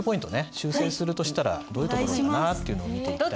修正するとしたらどういうところかなっていうのを見ていきたいと。